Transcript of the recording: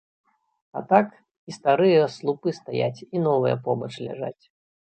А так, і старыя слупы стаяць, і новыя побач ляжаць.